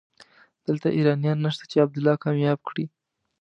دلته ايرانيان نشته چې عبدالله کامياب کړي.